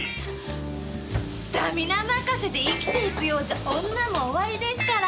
スタミナ任せで生きていくようじゃ女も終わりですから。